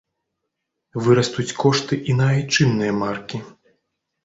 Вырастуць кошты і на айчынныя маркі.